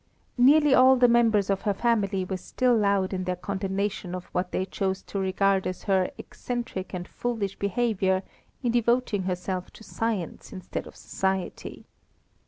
Nearly all the members of her family were still loud in their condemnation of what they chose to regard as her eccentric and foolish behaviour in devoting herself to science instead of society.